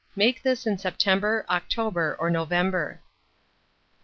Make this in September, October, or November.